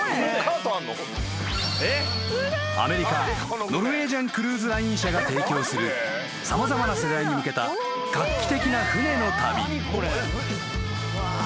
［アメリカノルウェージャンクルーズライン社が提供する様々な世代に向けた画期的な船の旅］